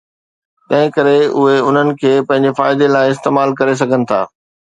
تنهن ڪري اهي ان کي پنهنجي فائدي لاء استعمال ڪري سگهن ٿا.